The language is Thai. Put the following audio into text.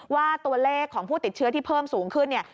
ว่าตัวเลขของผู้ติดเชื้อที่เพิ่มสูงขึ้นเนี่ย